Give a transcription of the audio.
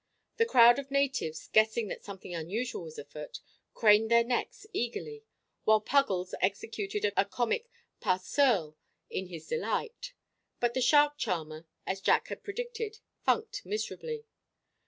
The crowd of natives, guessing that something unusual was afoot, craned their necks eagerly, while Puggles executed a comic pas seul in his delight. But the shark charmer, as Jack had predicted, "funked" miserably.